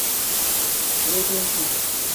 Quedou tranquilo.